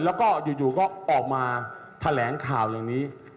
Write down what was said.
แล้วก็อยู่ก็ออกมาแถลงข่าวอย่างนี้